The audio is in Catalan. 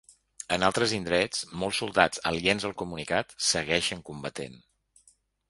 En altres indrets, molts soldats aliens al comunicat, segueixen combatent.